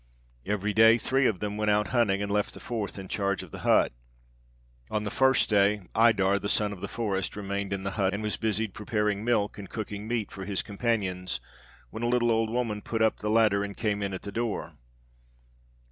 Every day three of them went out hunting, and left the fourth in charge of the hut. On the first day, Iddar, the Son of the Forest, remained in the hut, and was busied preparing milk, and cooking meat for his companions, when a little old woman put up the ladder and came in at the door.